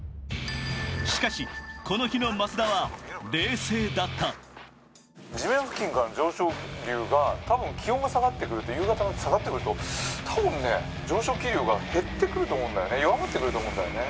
しかし、この日の増田は冷静だった地面付近からの上昇流が多分気温が下がってくるとたぶんね、上昇気流が減ってくると思うんだよね、弱まってくると思うんだよね。